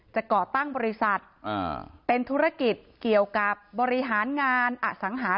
เพราะไม่มีเงินไปกินหรูอยู่สบายแบบสร้างภาพ